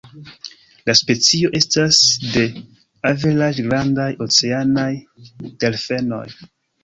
La specio estas de averaĝ-grandaj oceanaj delfenoj.